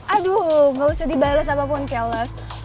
aduh gak usah dibales apapun keles